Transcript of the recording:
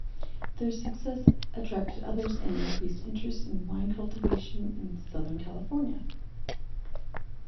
Their success attracted others and increased interest in wine cultivation in Southern California.